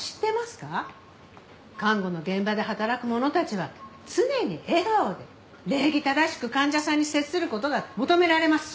看護の現場で働く者たちは常に笑顔で礼儀正しく患者さんに接する事が求められます。